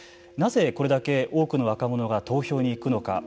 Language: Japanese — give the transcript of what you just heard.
なぜこれだけ多くの若者が投票に行くのか。